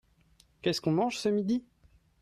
Qu'est-ce qu'on mange ce midi ?